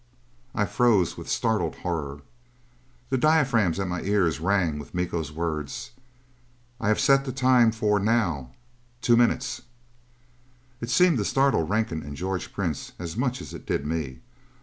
I froze with startled horror. The diaphragms at my ears rang with Miko's words: "I have set the time for now two minutes " It seemed to startle Rankin and George Prince as much as it did me.